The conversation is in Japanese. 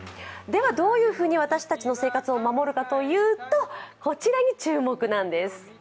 ではどういうふうに私たちの生活を守るかというと、こちらに注目なんです。